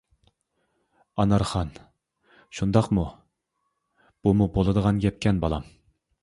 ئانارخان : شۇنداقمۇ؟ بۇمۇ بولىدىغان گەپكەن بالام.